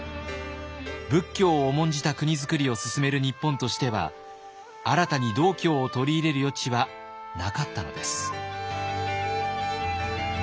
仏教を重んじた国づくりを進める日本としては新たに道教を取り入れる余地はなかったのです。